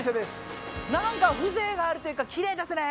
何か風情があるというかキレイですね。